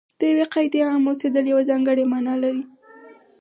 د یوې قاعدې عام اوسېدل یوه ځانګړې معنا لري.